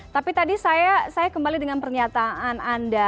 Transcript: tapi tadi saya kembali dengan pernyataan anda